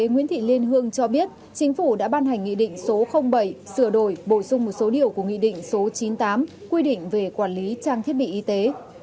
nguyễn thị liên hương cho biết chính phủ đã ban hành nghị định số bảy sửa đổi bổ sung một số điều của nghị định số chín mươi tám quy định về quản lý trang thiết bị y tế